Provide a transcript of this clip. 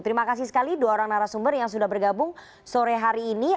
terima kasih sekali dua orang narasumber yang sudah bergabung sore hari ini